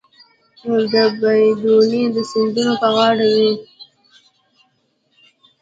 د بید ونې د سیندونو په غاړه وي.